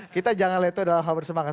kita jangan leto dalam hal bersemangat